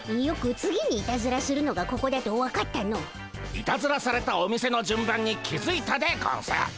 いたずらされたお店の順番に気づいたでゴンス。